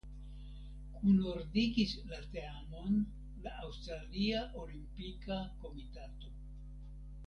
Kunordigis la teamon la Aŭstralia Olimpika Komitato.